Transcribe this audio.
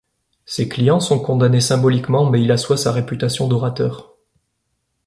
Ses clients sont condamnés symboliquement, mais il assoit sa réputation d'orateur.